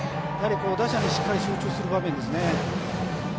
打者にしっかり集中する場面ですね。